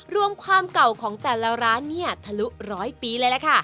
รวมความเก่าของแต่ละร้านนี้ถลุ๑๐๐ปีเลยแหละค่ะ